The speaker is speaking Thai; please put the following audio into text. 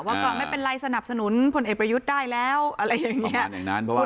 ว่าก่อนไม่เป็นไรสนับสนุนผลเอกประยุทธ์ได้แล้วอะไรอย่างเงี้ยประมาณแบบนั้น